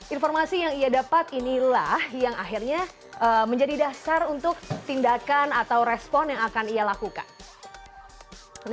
informasi yang ia dapat inilah yang akhirnya menjadi dasar untuk tindakan atau respon yang akan ia lakukan